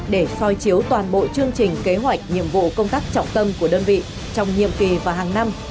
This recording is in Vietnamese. để soi chiếu toàn bộ chương trình kế hoạch nhiệm vụ công tác trọng tâm của đơn vị trong nhiệm kỳ và hàng năm